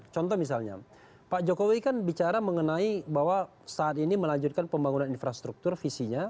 contoh misalnya pak jokowi kan bicara mengenai bahwa saat ini melanjutkan pembangunan infrastruktur visinya